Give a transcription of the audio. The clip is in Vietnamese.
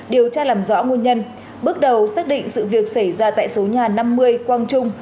điều tra làm rõ nguồn nhân bước đầu xác định sự việc xảy ra tại số nhà năm mươi quang trung